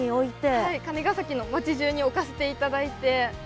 はい金ケ崎の町じゅうに置かせて頂いて。